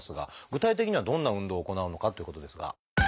具体的にはどんな運動を行うのかっていうことですが。